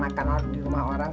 makan di rumah orang